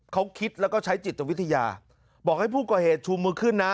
เขาคิดแล้วก็ใช้จิตวิทยาบอกให้ผู้ก่อเหตุชูมือขึ้นนะ